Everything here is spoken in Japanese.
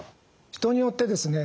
人によってですね